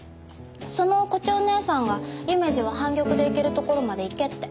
その胡蝶姐さんが夢路は半玉でいけるところまでいけって。